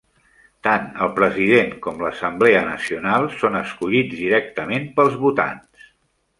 Tant el president com l'Assemblea Nacional són escollits directament pels votants.